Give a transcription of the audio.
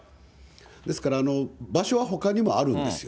ですから、場所はほかにもあるんですよ。